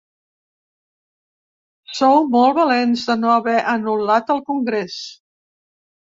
Sou molt valents de no haver anul·lat el Congrés.